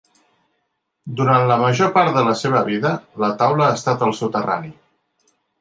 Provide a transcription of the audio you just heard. Durant la major part de la seva vida, la taula ha estat al soterrani.